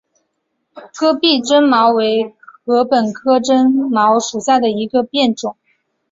戈壁针茅为禾本科针茅属下的一个变种。